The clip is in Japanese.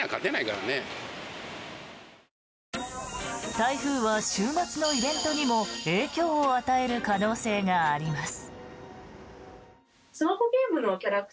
台風は週末のイベントにも影響を与える可能性があります。